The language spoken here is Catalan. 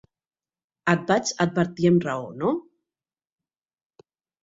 Et vaig advertir amb raó, no?